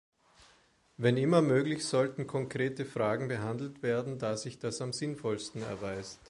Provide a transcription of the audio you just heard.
Wenn immer möglich, sollten konkrete Fragen behandelt werden, da sich das am sinnvollsten erweist.